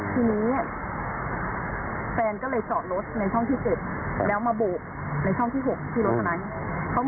ทีนี้แฟนก็เลยเจาะรถในท่องที่เจ็ดแล้วมาโบบในท่องที่หกที่รถเท่านั้น